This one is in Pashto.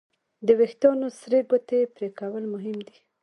د وېښتیانو سرې ګوتې پرېکول مهم دي.